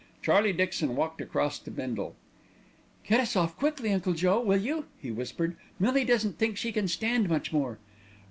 Charlie Dixon walked across to Bindle. "Get us off quickly, Uncle Joe, will you," he whispered. "Millie doesn't think she can stand much more."